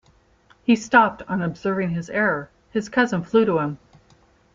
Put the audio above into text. He stopped on observing his error: his cousin flew to him.